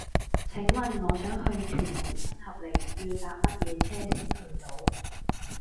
請問我想去屯門新合里要搭乜嘢車先去到